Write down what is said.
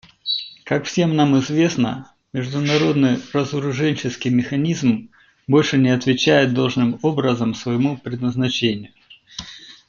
Как всем нам известно, международный разоруженческий механизм больше не отвечает должным образом своему предназначению.